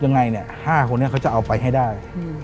ยังไงเนี่ย๕คนนี้เขาจะเอาไปให้ได้